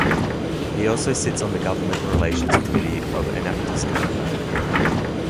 He also sits on the government relations committee of Enactus Canada.